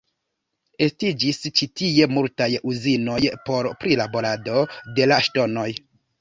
Estiĝis ĉi tie multaj uzinoj por prilaborado de la ŝtonoj.